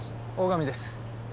大上です。